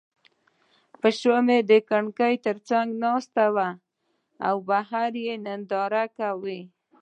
پیشو مې د کړکۍ تر څنګ ناسته وي او بهر ننداره کوي.